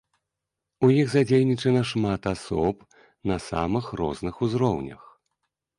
У іх задзейнічана шмат асоб, на самых розных узроўнях.